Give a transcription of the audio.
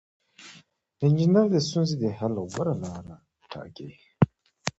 انجینر د ستونزې د حل غوره لاره ټاکي.